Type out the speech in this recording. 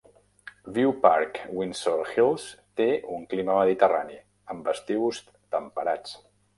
View Park-Windsor Hills té un clima Mediterrani, amb estius temperats.